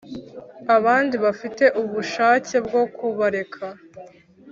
abandi bafite ubushake bwo kubareka